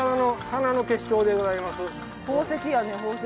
宝石やね宝石。